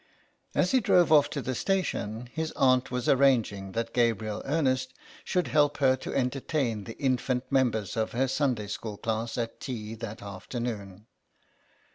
As he drove off to the station his aunt was arranging that Gabriel Ernest should help her to entertain the infant members of her Sunday school class at tea that afternoon.